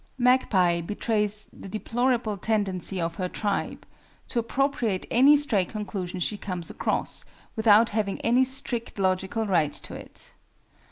MAGPIE betrays the deplorable tendency of her tribe to appropriate any stray conclusion she comes across, without having any strict logical right to it.